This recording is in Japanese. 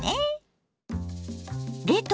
冷凍